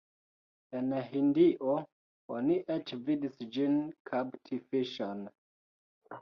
En Hindio oni eĉ vidis ĝin kapti fiŝon.